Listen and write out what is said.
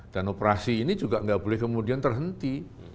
dan operasi ini juga tidak boleh kemudian terhenti